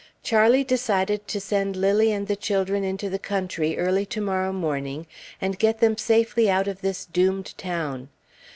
Charlie decided to send Lilly and the children into the country early to morrow morning, and get them safely out of this doomed town.